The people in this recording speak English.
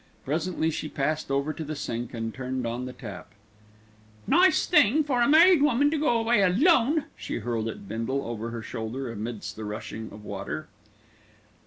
Presently she passed over to the sink and turned on the tap. "Nice thing for a married woman to go away alone," she hurled at Bindle over her shoulder, amidst the rushing of water.